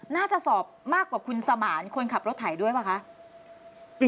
น่าจะสอบมากกว่าคุณสมานคนขับรถไถด้วยป่ะคะ